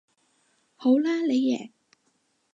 好啦你贏